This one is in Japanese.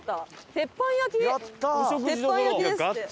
「鉄板焼き」ですって。